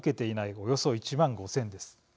およそ１万５０００です。